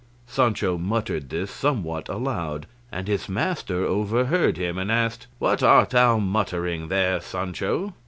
Sancho muttered this somewhat aloud, and his master overheard him, and asked, "What art thou muttering there, Sancho?"